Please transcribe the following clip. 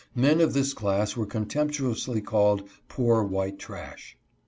Men of this class were contemptuously called " poor white trash."